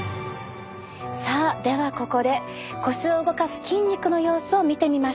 さあではここで腰を動かす筋肉の様子を見てみましょう。